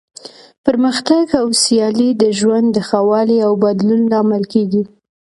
پرمختګ او سیالي د ژوند د ښه والي او بدلون لامل کیږي.